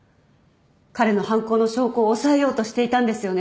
彼の犯行の証拠を押さえようとしていたんですよね？